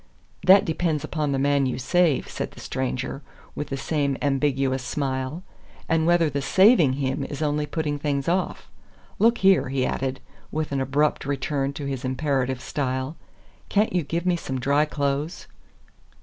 "That depends upon the man you save," said the stranger, with the same ambiguous smile, "and whether the SAVING him is only putting things off. Look here," he added, with an abrupt return to his imperative style, "can't you give me some dry clothes?"